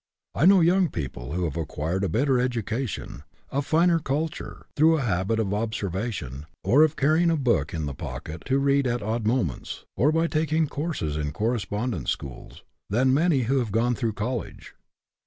I know young people who have acquired a better education, a finer culture, through a habit of observation, or of carrying a book in the pocket to read at odd moments, or by taking courses in correspondence schools, than many who have gone through college.